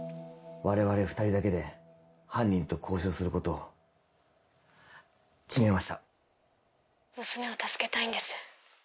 我々２人だけで犯人と交渉することを決めました娘を助けたいんです